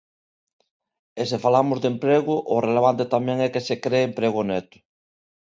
E se falamos de emprego, o relevante tamén é que se cre emprego neto.